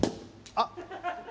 あっ。